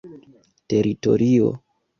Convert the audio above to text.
teritorio